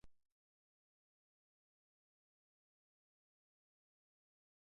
Hizkuntza hauek guztiak Guatemalan gordetzen dira.